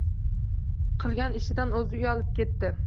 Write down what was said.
Qilgan ishidan o’zi uyalib ketdi.